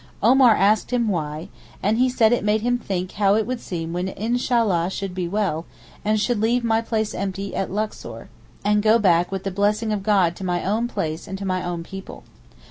Omar asked him why, and he said it made him think how it would seem when 'Inshallah should be well and should leave my place empty at Luxor and go back with the blessing of God to my own place and to my own people.